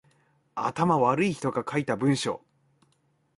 頭悪い人が書いた文章